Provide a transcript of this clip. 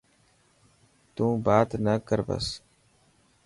تون بات نه ڪر بس.